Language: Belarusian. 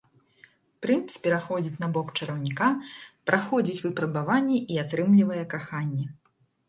Прынц пераходзіць на бок чараўніка, праходзіць выпрабаванні і атрымлівае каханне.